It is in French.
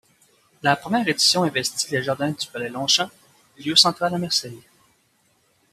La première édition investit les jardins du palais Longchamp, lieu central à Marseille.